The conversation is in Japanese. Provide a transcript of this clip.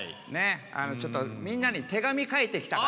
ちょっとみんなに手紙書いてきたから。